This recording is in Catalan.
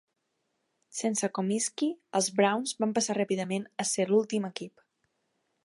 Sense Comiskey, els Browns van passar ràpidament a ser l'últim equip.